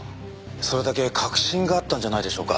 それだけ確信があったんじゃないでしょうか？